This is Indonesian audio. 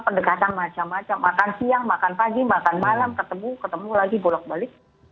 pendekatan macam macam makan siang makan pagi makan malam ketemu ketemu lagi bolak balik